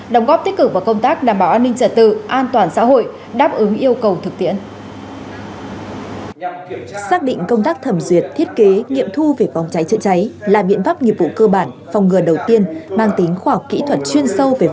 đồng góp tích cực vào công tác đảm bảo an ninh trả tự an toàn xã hội đáp ứng yêu cầu thực tiễn